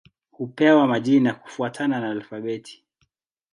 Hupewa majina kufuatana na alfabeti.